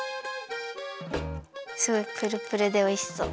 すごいプルプルでおいしそう。